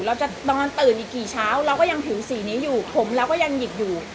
เราจะนอนตื่นอีกกี่เช้าเราก็ยังถือสีนี้อยู่ผมเราก็ยังหยิบอยู่